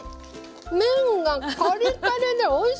麺がカリカリでおいしい！